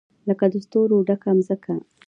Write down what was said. لکه د ستورو ډکه مځکه